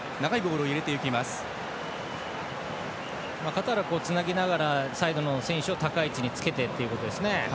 カタールはつなぎながらサイドの選手を高い位置につけていますね。